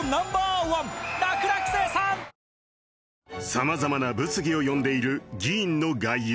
さまざまな物議を呼んでいる議員の外遊。